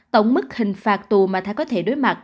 tổng mức hình phạt tù mà ta có thể đối mặt